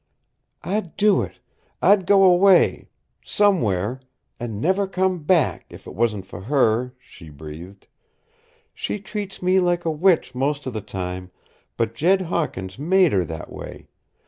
"I'd do it I'd go away somewhere and never come back, if it wasn't for her," she breathed. "She treats me like a witch most of the time, but Jed Hawkins made her that way.